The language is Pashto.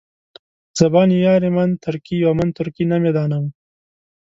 زبان یار من ترکي ومن ترکي نمیدانم.